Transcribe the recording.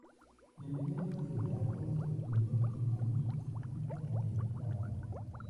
Se alimenta de caracoles y otros moluscos, así como de plantas.